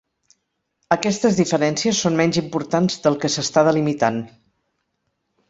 Aquestes diferències són menys importants del que s'està delimitant.